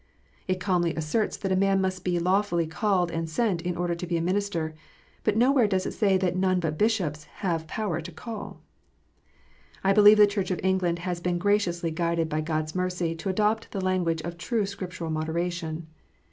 It calmly asserts that a man must be lawfully called and sent, in order to be a minister. But it nowhere says that none but bishops have power to call.* I believe the Church of England has been graciously guided by God s mercy to adopt the language of true Scriptural moderation.